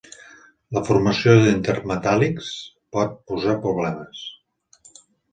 La formació d'intermetàl·lics pot posar problemes.